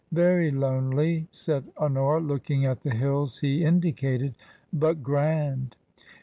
" Very lonely," said Honora, looking at the hills he indicated, " but grand."